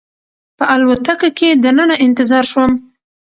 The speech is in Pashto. په الوتکه کې دننه انتظار شوم.